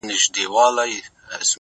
تا ولي په مسکا کي قهر وخندوئ اور ته-